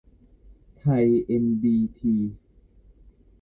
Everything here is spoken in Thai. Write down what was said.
ไทย เอ็น ดี ที